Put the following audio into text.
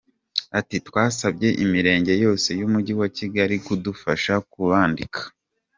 Ati "Twasabye Imirenge yose y’Umujyi wa Kigali kudufasha kubandika.